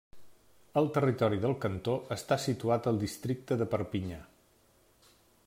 El territori del cantó està situat al districte de Perpinyà.